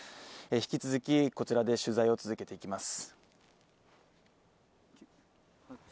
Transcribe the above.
引き続き、こちらで取材を続けていきます。